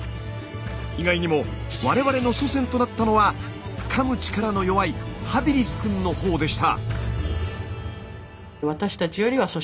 意外にも我々の祖先となったのはかむ力の弱いハビリスくんのほうでした。